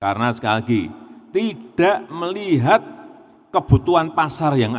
karena sekali lagi tidak melihat kebutuhan pasar yang ada